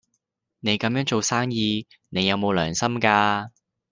你咁樣做生意，你有冇良心㗎？